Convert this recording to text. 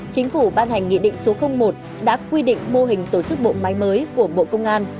chính phủ ban hành nghị định số một đã quy định mô hình tổ chức bộ máy mới của bộ công an